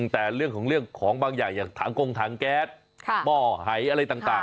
แต่เรื่องของบางอย่างอย่างถังกงถังแก๊สหม้อหายอะไรต่าง